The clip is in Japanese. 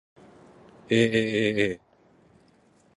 aaaa